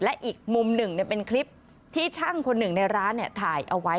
และอีกมุมหนึ่งเป็นคลิปที่ช่างคนหนึ่งในร้านถ่ายเอาไว้